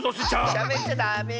しゃべっちゃダメ！